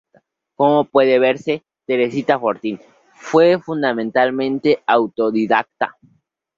Como puede verse, Teresita Fortín fue fundamentalmente autodidacta.